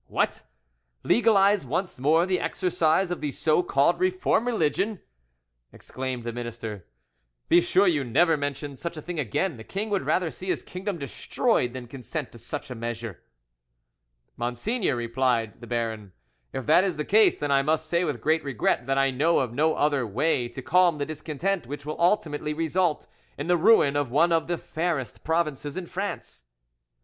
"What! legalise once more the exercise of the so called Reformed religion!" exclaimed the minister. "Be sure you never mention such a thing again. The king would rather see his kingdom destroyed than consent to such a measure." "Monseigneur," replied the baron, "if that is the case, then I must say with great regret that I know of no other way to calm the discontent which will ultimately result in the ruin of one of the fairest provinces in France."